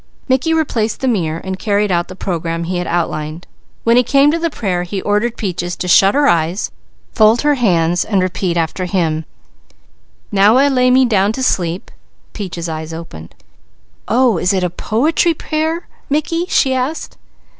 Mickey replaced the mirror and carried out the program he had outlined. When he came to the prayer he ordered Peaches to shut her eyes, fold her hands and repeat after him: "'Now I lay me down to sleep'" Peaches' eyes opened. "Oh, is it a poetry prayer, Mickey?" she asked.